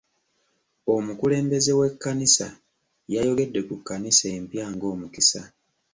Omukulembeze w'ekkanisa yayogedde ku kkanisa empya ng'omukisa.